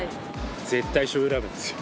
絶対しょう油ラーメンですよ。